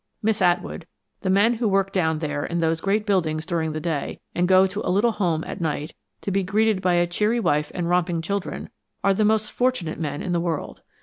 Miss Atwood, the men who work down there in those great buildings during the day, and go to a little home at night, to be greeted by a cheery wife and romping children, are the most fortunate men in the world.